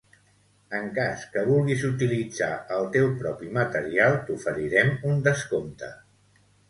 En cas que vulguis utilitzar el teu propi material, t'oferirem un descompte.